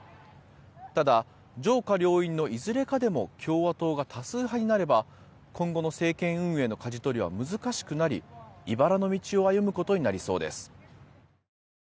ただ、上下両院のいずれかでも共和党が多数派になれば今後の政権運営のかじ取りは難しくなりいばらの道を歩むことになりそうです。